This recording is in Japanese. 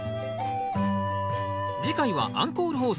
次回はアンコール放送